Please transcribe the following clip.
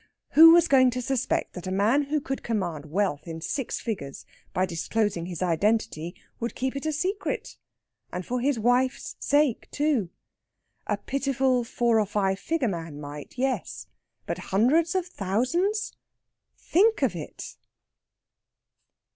Who was going to suspect that a man who could command wealth in six figures by disclosing his identity, would keep it a secret? And for his wife's sake too! A pitiful four or five figure man might yes. But hundreds of thousands! think of it!